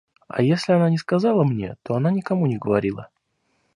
А если она не сказала мне, то она никому не говорила.